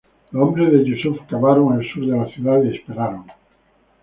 Los hombres de Yusuf cavaron al sur de la ciudad y esperaron.